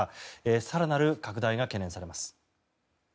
更なる拡大が懸念されます。